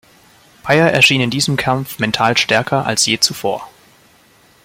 Beyer erschien in diesem Kampf mental stärker als je zuvor.